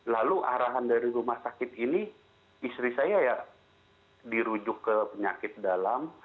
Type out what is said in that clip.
lalu arahan dari rumah sakit ini istri saya ya dirujuk ke penyakit dalam